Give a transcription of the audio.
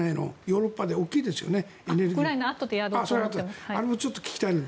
ヨーロッパで大きいですよね。